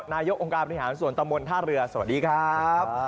นายกองค์การบริหารส่วนตำบลท่าเรือสวัสดีครับ